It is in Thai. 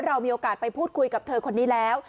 เรามีโอกาสไปพูดคุยกับเธอคนนี้แล้ว